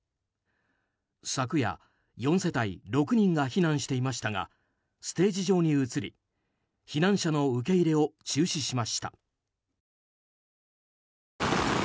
昨夜、４世帯６人が避難していましたがステージ上に移り避難者の受け入れを中止しました。